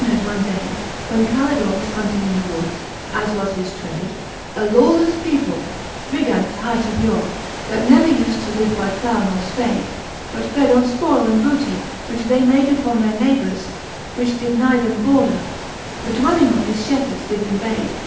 It fortuned one day, when Calidore Was hunting in the woods, as was his trade, A lawlefTe people, Brigants hight of yore, That never ufde to live by plough nor fpade, But fed on fpoile and booty, which they made Upon their neighbours, which did nigh them border, The dwellings of thefe fhepheards did invade.